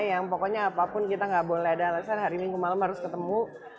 yang pokoknya apapun kita nggak boleh ada alasan hari minggu malam harus ketemu